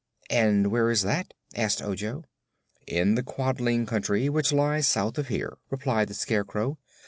"And where is that?" asked Ojo. "In the Quadling Country, which lies south of here," replied the Scarecrow.